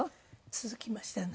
続きましたね。